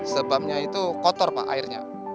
sebabnya itu kotor pak airnya